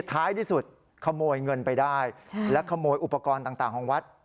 ท้ายที่สุดขโมยเงินไปได้และขโมยอุปกรณ์ต่างของวัด